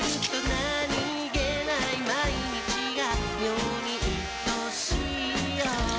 何気ない毎日が妙にいとしいよ